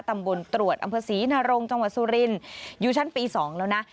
ตำรวจตรวจอำเภอศรีนรงจังหวัดสุรินทร์อยู่ชั้นปี๒แล้วนะ